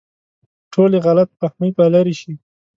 ټولې غلط فهمۍ به لرې شي.